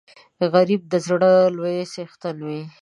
غریب د زړه لوی څښتن وي